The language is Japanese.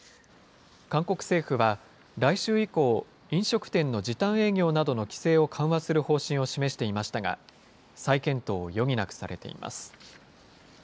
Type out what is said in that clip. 韓国政府は、来週以降、飲食店の時短営業などの規制を緩和する方針を示していましたが、再検討を余儀なくされています。